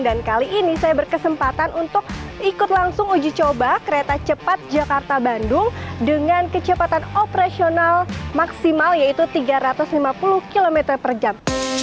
dan kali ini saya berkesempatan untuk ikut langsung uji coba kereta cepat jakarta bandung dengan kecepatan operasional maksimal yaitu tiga ratus lima puluh km per jam